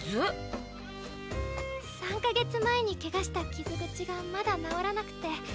３か月前にケガした傷口がまだ治らなくて。